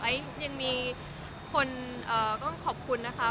ไอ้ยังมีคนก็ขอบคุณนะคะ